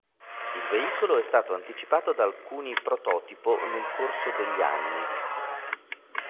Il veicolo è stato anticipato da alcuni prototipo nel corso degli anni.